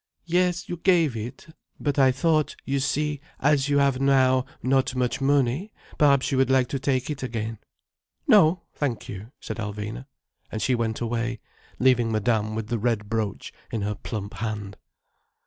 "Yes, you gave it. But I thought, you see, as you have now not much mo oney, perhaps you would like to take it again—" "No, thank you," said Alvina, and she went away, leaving Madame with the red brooch in her plump hand.